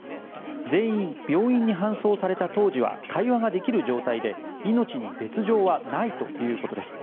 全員、病院に搬送された当時は会話ができる状態で命に別条はないということです。